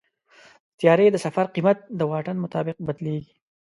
د طیارې د سفر قیمت د واټن مطابق بدلېږي.